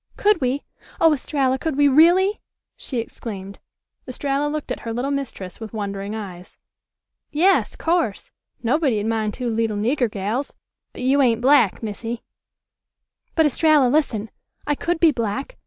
"Could we? Oh, Estralla, could we really?" she exclaimed. Estralla looked at her little mistress with wondering eyes. "Yas, course; nobody'd mind two leetle nigger gals. But you ain't black, Missy." "But, Estralla, listen. I could be black.